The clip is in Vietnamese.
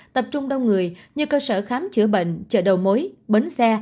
tập trung đông người như cơ sở khám chữa bệnh chợ đầu mối bến xe